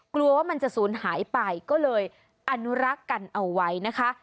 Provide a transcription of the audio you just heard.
กลัวว่ามันจะศูนย์หายไปก็เลยอนุรักษ์กันเอาไว้นะคะ